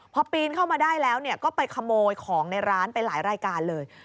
พอปีนเข้ามาได้แล้วก็ไปขโมยของในร้านไปหลายรายการเลย